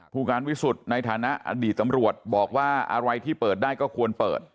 ผู้การวิสุทธิ์ในฐานะอดีตตำรวจบอกว่าอะไรที่เปิดได้ก็ควรเปิด